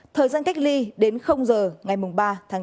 thời gian cách ly đến giờ ngày ba tháng bốn